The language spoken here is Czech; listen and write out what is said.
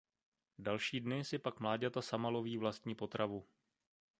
Další dny si pak mláďata sama loví vlastní potravu.